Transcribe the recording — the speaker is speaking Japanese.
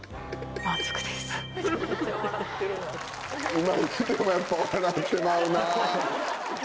今見てもやっぱ笑ってまうな。